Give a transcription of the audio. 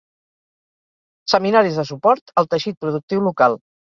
Seminaris de suport al teixit productiu local.